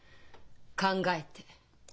考えて。